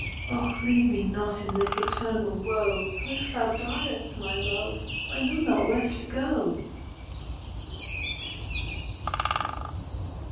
"Oh leave me not in this eternal woe,"For if thou diest, my Love, I know not where to go."